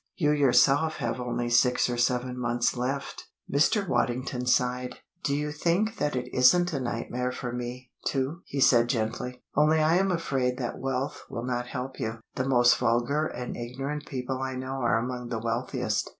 You yourself have only six or seven months left." Mr. Waddington sighed. "Do you think that it isn't a nightmare for me, too?" he said gently. "Only I am afraid that wealth will not help you. The most vulgar and ignorant people I know are among the wealthiest.